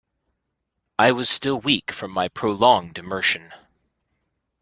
I was still weak from my prolonged immersion.